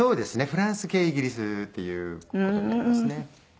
フランス系イギリスっていう事になってますね。